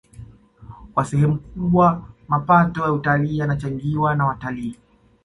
Kwa sehemu kubwa mapato ya utalii yanachangiwa na watalii